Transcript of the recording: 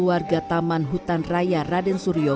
warga taman hutan raya raden suryo